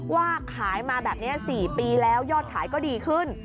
ว่าขายมาแบบนี้๔ปีแล้วยอดขายก็ดีขึ้น